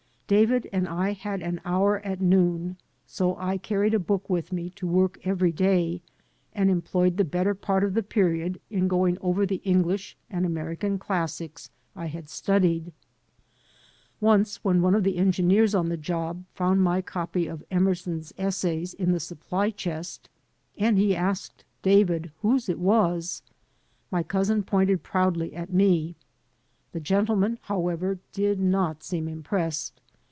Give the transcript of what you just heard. David and I had an hour at noon; so I carried a book with me to work every day and employed the better part of the period in going over the EngUsh and American classics I had studied. Once one of the engineers on the job found my copy of Emerson's Essays in the supply chest, and he asked David whose it was. My cousin pointed proudly at me. The gentleman, however, did not seem impressed.